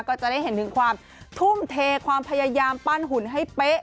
ก็จะได้เห็นถึงความทุ่มเทความพยายามปั้นหุ่นให้เป๊ะ